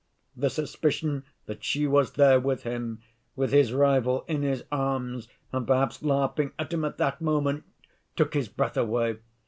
The suspicion that she was there, with him, with his rival, in his arms, and perhaps laughing at him at that moment—took his breath away.